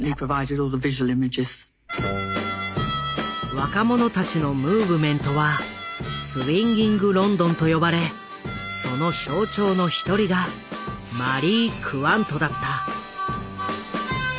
若者たちのムーブメントはスウィンギング・ロンドンと呼ばれその象徴の一人がマリー・クワントだった。